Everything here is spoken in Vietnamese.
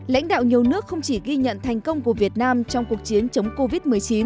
lãnh đạo nhiều nước không chỉ ghi nhận thành công của việt nam trong cuộc chiến chống covid một mươi chín